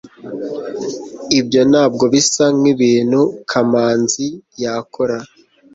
ibyo ntabwo bisa nkibintu kamanzi yakora